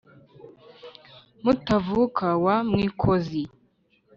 Mutavuka wa Mwikozi